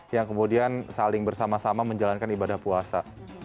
yang kemudian saling bersama sama menjalankan ibadah puasa